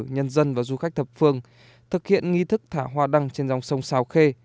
nhân dân và du khách thập phương thực hiện nghi thức thả hoa đăng trên dòng sông xào khê